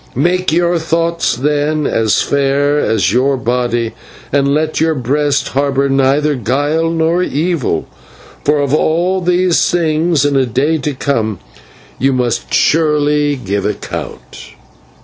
Make your thoughts, then, as fair as is your body, and let your breast harbour neither guile nor evil; for of all these things, in a day to come, you must surely give account."